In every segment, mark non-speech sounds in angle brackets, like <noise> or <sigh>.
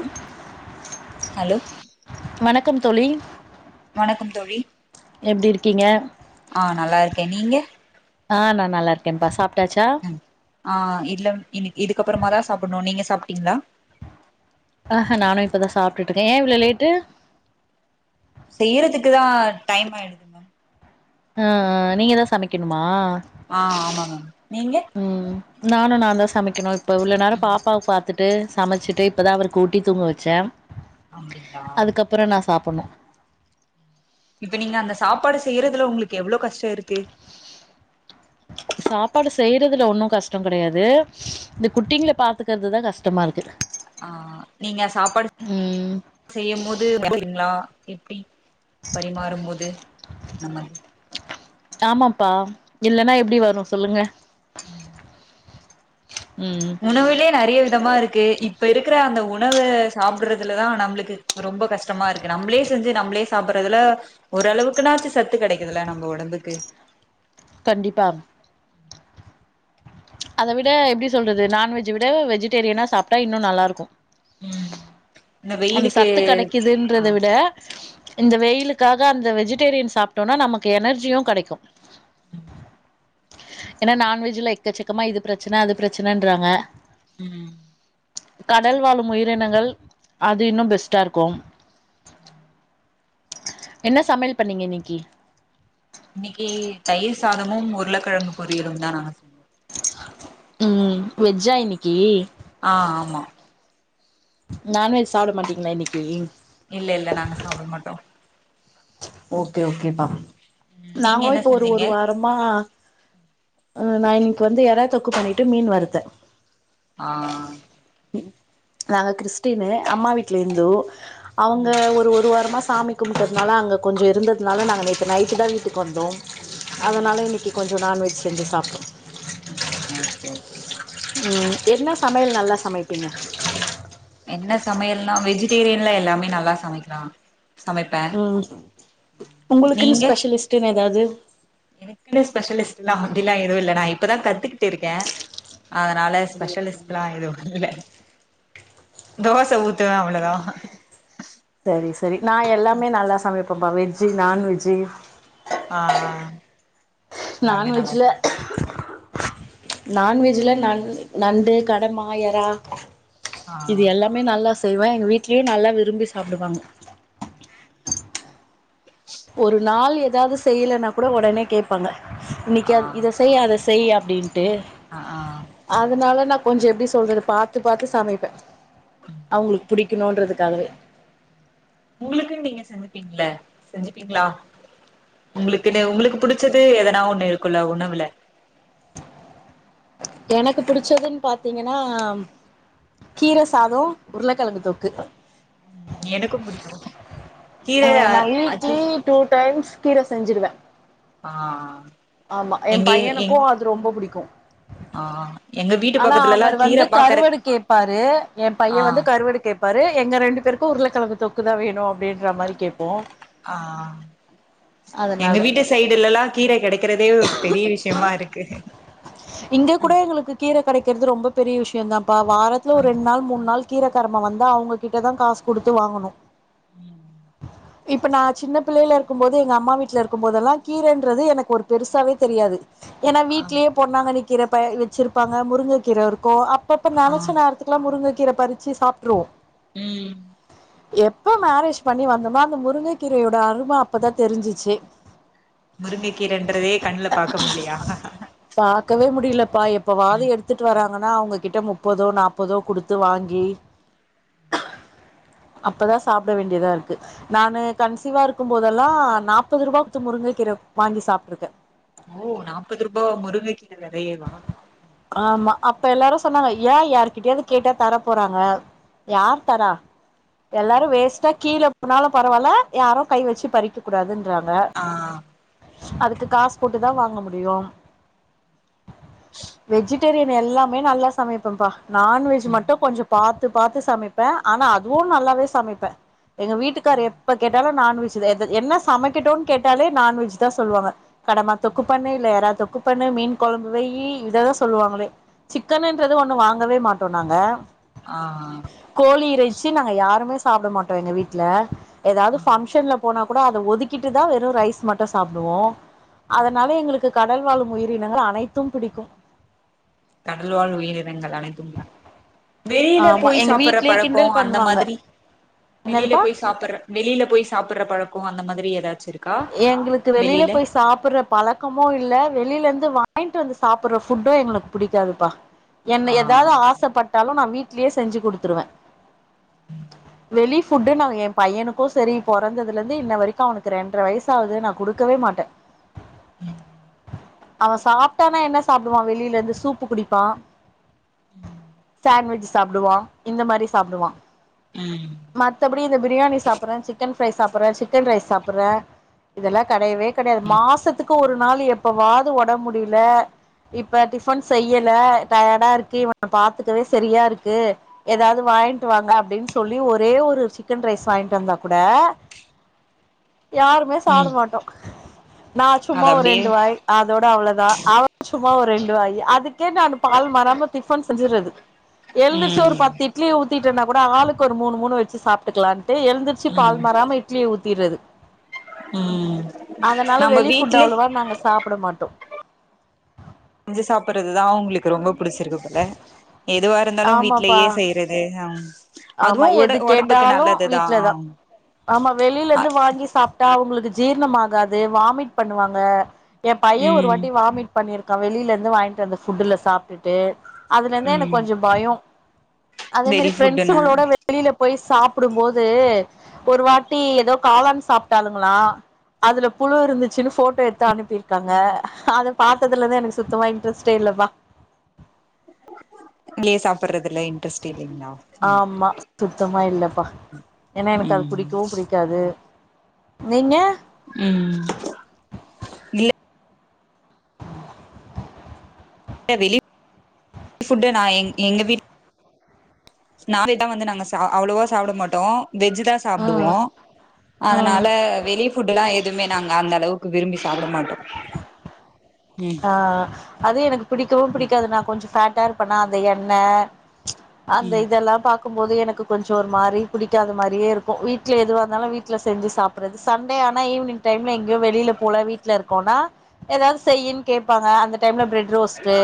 <inaudible> Hello கம் தோழி வணக்கம் தோழி எப்டி இருக்கீங்க ஆ நல்லா இருக்கே நீங்க ஆ நான் நல்லாருக்கே ப்பா சாப் ஆ இல்ல இ இதுக்கப்றமா தா சாப்புடுணு நீங்க சா சாப்ட்டீங்ளா ஆஹ்ஹ நானு இப்பதா சாப்டுட்டு இருக்கே ஏ இவ்ளோ லேட்டு செய்றதுக்கு தா டைம் ஆயிடுது மேம் அ ஆ நீங்க தா சமைக்ணுமா ஆ ஆமா மேம்நீங்க நானு நா தா சமைக்ணு இப்ப இவ்ளோ நேர பாப்பாவ பாத்துட்டு ட்டு சமச்சிட்டு இப்போதா அவர்கு ஊட்டி தூங்க வச்ச அப்டிங்களா அதுக்கப்ற நா சாப் ப்புண்ண இப்ப நீங்க அந்த சாப்பாடு செய்றதுல உங்ளுக்கு எவ்ளோ கஷ்ட இருக்கு சாப்பாடு செய்றதுல ஒன்னு கஷ்ட கெடையாது இந்த குட்டிங்கள பாத்துக்றதுதா கஷ்டமா இருக்கு ஆ நீங்க சாப்பாடு ம் செய்யு போது பாட்டுகேபிங்ளா எப்டி பரிமாறும் போது நம்ம ஆமாப்பா இல்லன்னா எப்டி வரு சொல்லுங்க ம் ம் உணவிலே நெறைய விதமா இருக்கு இப்ப இருக்ற அந்த உ உணவு சாப்புடுறதுலதா நம்ளுக்கு ரொம்ப கஷ்டமாருக்கு நம்ளே செஞ்சு நம்ளே சாப்புடுறதுல ஓரளவுக்குனாச்சு சத்து கெடைக்குதுல நம்ம உடம்புக்கு கண்டிப்பா அத விட எப்டி சொல்றது நான்வெஜ் விட வெஜிடேரியனா சாப்ட்டா இன்னு நல்லா இருக்கு ம் இந்த அந்த வெயிலுக்கு சத்து ஆ கெடைக்குதுன்றத விட இந்த வெயிலுக்காக அந்த வெஜிடேரியன் சாப்ட்டோம்னா நமக்கு எனர்ஜியு கெடைக்கு ஏன்னா நான்வெஜ்ல எக்கச்சக்கமா இது பிரச்சன அது பிரச்சனன்றாங்க உம் கடல் வாழும் உயிரினங்கள் அது இன்னு பெஸ்டா இருக்கு என்ன சமையல் பண்ணீங்க இன்னைக்கு இன்னைக்கு தயிர் சாதமு உருளக்கெழங்கு பொரியலும் தான் நாங்க உம் வெஜ்ஜா இன்னைக்கி ஆஹ் ஆமா நான்வெஜ் சாப்ட மாட்டீங்ளா இன்னைக்கி இல்ல இல்ல நாங்க சாப்ட மாட்டோ ஓகே ஓகேப்பா ம் நீங்க நாங்களு என்ன இப்ப ஒரு செஞ்சீங்க ஒருவாரமா அஹ் நா இன்னைக்கு வந்து யறா தொக்கு பண்ணிட்டு மீன் வருத்தே ஆஹ் நாங்க கிறிஸ்டினு அம்மா வீட்டுல இந்து அவுங்க ம் ஒரு ஒரு வாரமா சா சாமி கும்டு அதனால் அங்க கொஞ்சோ இருந்ததுனால நாங்கள் நேத்து நைட்டு தான் வீட்டுக்கு வந்தோம் ம் அதனால இன்னைக்கு கொஞ்சோ நான்வெஜ் செஞ்சு சாப்டோ ம் ஓகே ஓகே உம் என்ன சமையல் நல்லா சமைப்பீங்க என்ன சமையல்னா வெஜிடேரியன்ல எல்லாமே நல்லா சமைக்கலா சமைப்பே உஹம் உங்களுக்குன்னு நீங்க ஸ்பெஷலிஸ்ட்னு ஏதாவது எனக்குன்னு ஸ்பெஷலிஸ்ட் எல்லாம் அப்படிலாம் எதுவும் இல் நான் இப்பதான் கத்துக்கிட்டு இருக்கேன் அதனால ஸ்பெஷலிஸ்ட் எலாம் எதுவும்ல தோச ஊத்துவேன் அவ்ளதான் சரி சரி நான் எல்லாமே நல்லா சமைப்பேன் அப்பப்ப வெஜ்ஜு நான்வெஜ்ஜு ஆஹ்ஆஹ் நான்வெஜ்ல நான்வெஜ்ல நண் நண்டு கடமா யரா ஆ இது எல்லாமே நல்லா ச செய்வே எங்க வீட்லயும் நல்லா விரும்பி சாப்புடுவாங்க ஒரு நாள் ஏதாவது செய்யலன்னா கூட உடனே கேட்பாங்க ஆ இன்னைக்கு இத செய் அத செய் செய் அப்படின் ஆ ஆ அதனால ந கொஞ்சம் எப்படி சொல்றது பாார்த்து பார்த்து சமைப்பேன் அவுங்குளுக்கு பிடிக்கணும்ன்றதுக்காகவே உங்களுக்கு நீங்க செஞ்சுப்பீங்கள செஞ்சுப்பீங்களா உங்களுக்குன்னு உங்குளுக்கு புடிச்சது எதனா ஒண்ணு இருக்குல உணவுல எனக்கு பிடிச்சதுன்னு பாத்தீங்கன்னா கீர சாதம் உருளக்கெழங்கு தொக்கு எனக்கோ பிடிக்கோ கீர ஆ நா அகி வீக்லி டூ டைம்ஸ் கீர செஞ்சுடுவேன் ஆ ஆமா என் எங்க பையனுக்கோ எங் அது ரொம்ப புடிக்கோ ஆ எங்க வீட்டு ஆனா பக்கத்துலலா அவரு வந்து கீர பாக்கற கருவடு கேட்பாரு என் ஆ பையன் வந்து கருவடு கேட்பாரு எங்க ரெண்டு பேரு உருள கெழம்கு தொக்கு தா வேணோ ஆ எங்க அதனால வீட்டு சைடுலலா கீர கெடைக்கிறதே பெரிய விஷயமா இருக்கு இங்க கூட எங்களுக்கு கீர கெடைக்கிறது ரொம்ப பெரிய விஷயோந் தா வாரத்துல ஆ ஒரு ரெண் நாள் மூணு நாள் கீர கார்மா வந்தா அவுங்ககிட்டதா காசு குடுத்து வாங்கணோ ம் இப்ப நா சின்ன பிள்ளைல இருக்கும் போது எங்க அம்மா வீட்ல இருக்கும்பதெல்லா கீரன்றது எனக்கு ஒரு பெருசாவே தெரியாது ஏன்னா ஆ வீட்லயே பொன்னாங்கன்னி கீறப்பைய வெச்சிருப் ப்பாங்க முருங்கக்கீற இருக்கோ அப்ப இப்ப ஆ நெனச்ச நேரத்துக்குலா முருங்க க்கிற பறிச்சு சாப்ட்டுருவோ ம் எப்ப மேரேஜ் பண்ணி வந்தோமோ அந்த முருங்க கீரயோட அரும அப்பதா தெரிஞ்சிச்சு முருங்கக்கீரைன்றதே கண்ல பாக்க முடிலையா பாயப் இப்பவாது எடுத்துட்டு வராங்கன்னா அவுங்ககிட்ட முப்பதோ நாப்பதோ குடுத்து வாங்கி அப்பதா சாப்பிட வேண்டியதா இருக்கு நானு கன்சிவா இருக்கும் போதெல்லா நாற்பது ரூபாத்து முருங்க கீர வாங்கி சாப்ட்ருக்க ஓ நாப்பது ரூபாவா முருங்கக்கீர வெதையவா ஆமா அப்ப எல்லாரு சொன்னாங்க ஏ யாரு்கிட்டயாவது கேட்டா தர போறாங்க யார் தரா எல்லாரோ வேஸ்டா கீழப்ப னாலோ பரவால யாரோ கை வெச்சு பறிக்க கூடாதுன் அ அதுக்கு காசு போட்டுதா வாங்க முடியோ வெஜிடேரியன் எல்லாமே நல்லா சமைப்பேப்பா நான்வெஜ் ம் மட்டும் கொஞ்சோ பாத் பாத்து பாத்து சமைப்பே ஆனா அதுவோ நல்லாவே சமைப்பே எங்க வீட்டுக்காரு எப்ப கேட்டாலோ நான்வெஜ் என்ன சமைக்கட்டோனு கேட்டாலே நான்வெஜ் தா சொல்லுவாங்க கடமா தொக்கு பண்ணு இல்ல எறா தொக்கு பண்ணு மீன் கொழம்பு வெய்யு இத தாச் சொல்லுவாங்களே சிக்கனுன்றது ஒண்ணு வாங்கவே மாட்டோ நாங்க ஆ கோழி இறைச்சு நாங்க யாருமே ச் சாப்ட மாட்டோ எங்க வீட்ல ஏதாது ஃபங்க்ஷன்ல போனா க் கூட அத ஒதுக்கிட்டுதா வெறு ரைஸ் மட்டு சாப்டுவோ அதனால எங்களுக்கு க உடல் வாழும் உயிரினங்கள் அனைத்தும் பிடிக்கும் கடல் வாழ் உயிரி னங்கள் அனைத்தும் வெளில ஆமா போய் எங்க சாப்புட்ற வீட்லயே பழக்கோ கிண்டல் அந்த பண்ணுவாங்க மாதிரி வெளில என்னதுப்பா போய் சாப்புட்ற வெளில போய் சாப்புட்ற பழக்கோ அந்த மாத்ரி ஏதாச்சு இருக் எங்களுக்கு வெளில போய் சாப்புட்ற பழக்கமோ இல்ல வெளில இந் து வாங்கிட்டு வந்து சாப்புட்ற ஃபுட்டு எங்களுக்கு புடிக்காதுப்பா என்ன ஆ ஏதாவ்து ஆசப்பட்டாலு நா வீட் ட்லயே செஞ்சு கொடுதுருவே வெளி ஃபுட்டு நா எ பையனுக்கு செரி பொறந்ததுல இருந்து இன்ன வரைக்கு அவனுக்கு ரெண்ட்ர வயச் சாவுது நா கொடுக்கவே மாட்டே உம் அவ சாப்டானா என்ன சாப்டுவா வெளிலந்து சூப்பு குடிப்பா சான்வெஜ் ச் சாப்டுவா இந்த மாரி சாப்டுவா ம் மத்தப்டி இந்த பிரியாணி சாபுர சிக்கன் ஃப்ரை சாபுர சிக்கன் ரைஸ் சாபுர இதெலா கெடையவே கெடயாது மாசத்துக்கு ஒரு நாலு எப்பவாது ஒடம் முடில இப்ப டிஃபன் செய்யல டயாடா இருக்கு இவன பாத்துக்கவே செரியா இருக்கு ஏதாவ்து வாயின்ட் வாங்க அப்டின் சொல்லி ஒரே ஒரு சிக்கன் ரைஸ் வாயின்ட் வந்தா கூட யாருமே சாட ம் மாட்டோ நா சும்மா அது ஒரு அப்டியே ரெண்டு வாய் அதோட அவ்ளோதா அவர் சும் சுமா ஒரு ரெண்டு வாயி அதுக்கே நான் பால் மாராம டிஃபன் செஞ்சுறது எழ்ந்துருசு ஒரு ம் பத்து இட்லிய ஊத்திட்டனா கூட ஆளுக்கு ஒரு மூணு மூணு வெச்சு சாப்டுக்கலான்டு எழ்ந்துருசு ம் பால் மாராம இட்லிய ஊத்திறது ம் அதனால நம்ம வெளி ஃபுட் வீட்லே அவ்ளவா நாங்க சாப்ட மாட்டோ செஞ்சு சாப்புறதுதா அவுங்ளுகு ரொம்ப பிடிசுருகு போல எதுவா இருந்தாலு ஆமாப்பா வீட்லயே செய்றது அஹ் ஆமா எது கேட்டாலு வீட்லதா ஆமா அ வெளிலந்து வாங்கி சாப்டா அவுங்குளுகா ஜீர்ணம் ஆகாது வாமிட் பண்ணுவாங்க எ பைய ஒரு ம் வாட்டி வாமிட் பண்ணிருகா வெளிலந்து வாங்கிட்டு வந்த ஃபுட்டுல சாப்டுடு அதலந்தே எனக் ம் கொஞ்சொ பயோ அதே மாரி வெளி ஃப்ரெண்ட்ஸ் ஃபுட்டுனா பிரண்ட்ஸ்ங்களோட வெளில போய் சாப்டும் போது ஒரு வாட்டி ஏதோ காளான் சாப்டாலுங்களா அதுல புழு இருந்துச்சுனு போட்டோ எடுத்து அனுபிர்காங்க அத பாத்ததுல இருந்து எனக்கு சுத்தமா இன்ட்ரெஸ்ட்டே இல்லப்பா நீயா சாப்புட்ற ஆமா சுத்தமா இல்லப்பா ஏனா எனக்கு அது ம் புடிக்கவு புடிக்காது நீங்க ம் இல்ல வெளி ஃபுட்ட நா எங்க வீட் <unintelligible> வந்து நாங்க அவ்ளோவா சாப்ட மாட்டோ வெஜ்தா சாப்டுவோ ம் ம் அதனால வெளி ஃபுட்லா இல்ல நாங்க அந்தளவுக்கு விரும்பி சாப்ட மாட்டோ <inaudible> ம் ஆஹ் அது எனக் பிடிக்கவு பிடிக்காது நா கொஞ்சொ சாப்ட் கால் பண்ணா அது என்ன அந்த ம் இதெல்லா பாக் இருக்கு போது எனக்கு கொஞ்ச ஒரு மாரி புடிக்காத மாரியே இருக்கு, வீட்ல எதுவா இருந்தாலு வீட்ல செஞ்சு சாப்டுறது. சண்டே ஆனா ஈவினிங் டைம்ல எங்யு வெளில போல வீட்ல இருக்கோனா ஏதாவது செயின் கேப்பாங்க அந்த டைம்ல பிரட் ரோஸ்ட்டு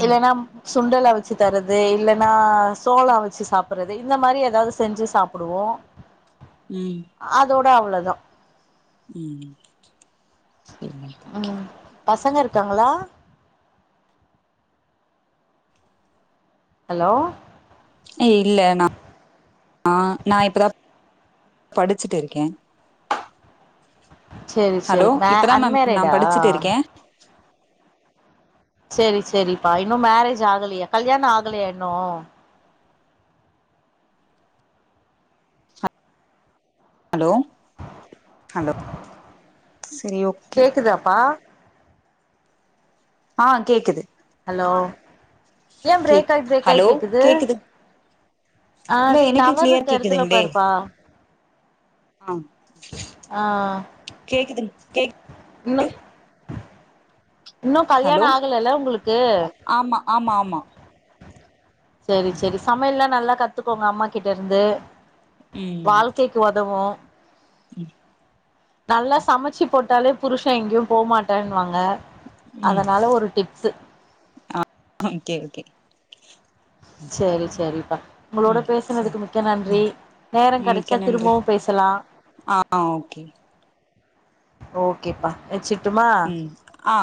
ம் இல்லன்னா சுண்டல் அவுச்சு தரது, இல்லன்னா சோளம் அவுச்சு சாப்பறது இந்த மாதிரி ஏதாவது செஞ்சு சாப்டுவோ ம் அவ்ளோதா ம் சரி ம் பசங்க இருக்காங்களா ஹலோ ஏ இல்ல ந நா இப்பதா படிச்சுட்டு இருக்கே சரி சரி ஹலோ மே இப்பதா மேம் நா அன்மேரிடா படிச்சுட்டு இருக்கே சரி சரிப்பா இன்னு மேரேஜ் ஆகலையா கல்யாண ஆகலயா இன்னு ஹலோ ஹலோ செரி ஓகே கேக்குதாப்பா ஆ கேக்குது ஹலோ ஏ பிரேக் கேக் ஆயி பிரேக் ஆயி ஹலோ கேக்குது, ஆ இல்ல எனக்கு கிளியர் டவர்ருக்க எடத்துல உட்காருப்பா ஆஹ் ஆ கேக்குது கேக் ன்ன இன்னு கல்யாண ஹலோ ஆகலல்ல உங்களுக்கு ஆமா ஆமா ஆமா சரி ம் சரி சமையலா நல்லா கத்துக்கோங்க அம்மா கிட்ட இருந்து ம் வாழ்க்கைக்கு ஒதவோ <unintelligible> நல்லா சமைச்சு போட்டாலே புருஷ எங்கியோ போமாட்டன்னுவாங்க ம் அதனால ஒரு டிப்சு ஓகே ஓகே சரி சரிப்பா உங்களோட ம் சரி பேசுனதுக்கு மிக்க நன்றி நேர கெடச்சா மிக்க நன்றி திரும்பவு பேசலா ஆ ஓகே ஓகேப்பா வெச்சுட் ம் ஆ